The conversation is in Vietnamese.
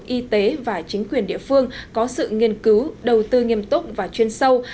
y tế và chính quyền địa phương có sự nghiên cứu đầu tư nghiêm túc và chuyên sâu